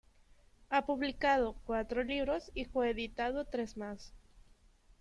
Ha publicado cuatro libros y coeditado tres más.